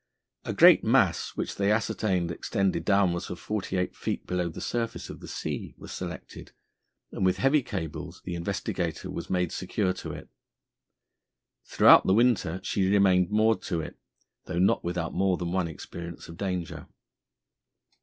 A great mass which they ascertained extended downwards for forty eight feet below the surface of the sea was selected, and with heavy cables the Investigator was made secure to it. Throughout the winter she remained moored to it, though not without more than one experience of danger.